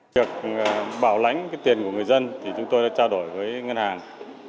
việc bảo lãnh tiền của người dân thì chúng tôi đã trao đổi với ngân hàng